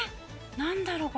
何だろう？